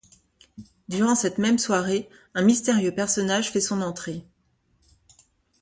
Durant cette même soirée, un mystérieux personnage fait son entrée.